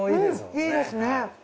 いいですね。